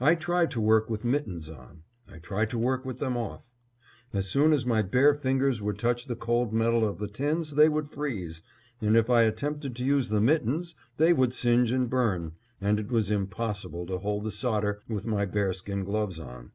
I tried to work with mittens on; I tried to work with them off. As soon as my bare fingers would touch the cold metal of the tins, they would freeze, and if I attempted to use the mittens they would singe and burn, and it was impossible to hold the solder with my bearskin gloves on.